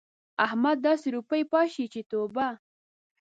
احمد داسې روپۍ پاشي چې توبه!